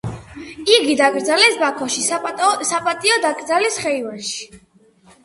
იგი დაკრძალეს ბაქოში საპატიო დაკრძალვის ხეივანში.